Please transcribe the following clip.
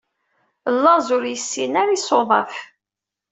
Laẓ ur yessin a isuḍaf.